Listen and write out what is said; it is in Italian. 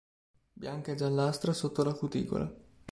Bianca e giallastra sotto la cuticola.